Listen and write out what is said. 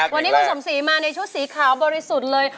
วันนี้คุณสมศรีมาในชุดสีขาวบริสุทธิ์เลย